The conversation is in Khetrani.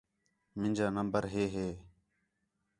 مینجا نمبر ہے ہِے